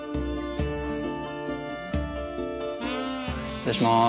失礼します。